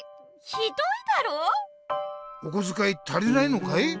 ひどいだろ？おこづかい足りないのかい？